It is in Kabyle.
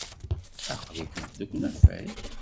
Aql-ikent deg unafag.